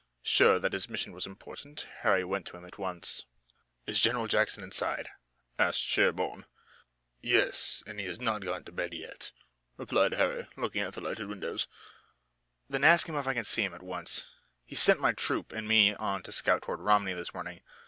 Sure that his mission was important, Harry went to him at once. "Is General Jackson inside?" asked Sherburne. "Yes, and he has not yet gone to bed," replied Harry, looking at the lighted windows. "Then ask him if I can see him at once. He sent my troop and me on a scout toward Romney this morning.